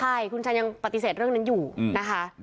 ใช่คุณชันยังปฏิเสธเรื่องนั้นอยู่นะคะ